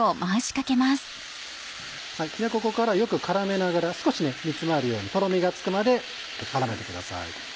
ここからよく絡めながら少し煮詰まるようにとろみがつくまで絡めてください。